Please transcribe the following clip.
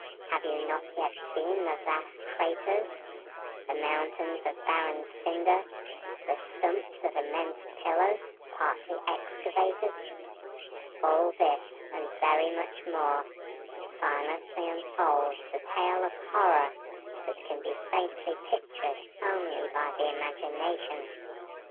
Have you not yet seen the vast craters, the mountains of barren cinder, the stumps of immense pillars, partly excavated? All this, and very much more, silently unfolds a tale of horror that can be faintly pictured only by the imagination.